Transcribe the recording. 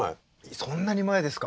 そんなに前ですか。